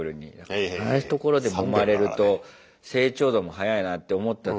ああいうところでもまれると成長度も速いなって思った。